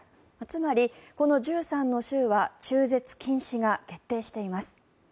つまり、この１３の州は中絶禁止が決定しています。